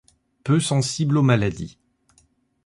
Peu sensible aux maladies.